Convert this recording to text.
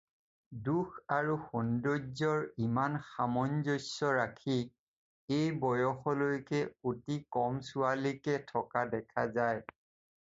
দুখ আৰু সৌন্দৰ্যৰ ইমান সামঞ্জস্য ৰাখি এই বয়সলৈকে অতি কম ছোৱালীকে থকা দেখা যায়।